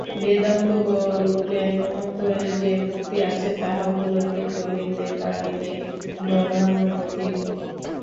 বেদান্ত বলেন, অন্তরে যে মুক্তি আছে, তাহা উপলব্ধি করিতে পারিলেই ব্রহ্মানুভূতি হয়।